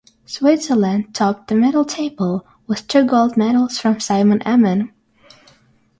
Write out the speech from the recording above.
Switzerland topped the medal table, with two gold medals from Simon Amman.